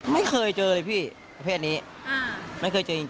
ไม่เคยเจอเลยพี่ประเภทนี้ไม่เคยเจอจริง